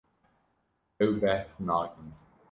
Ew behs nakin.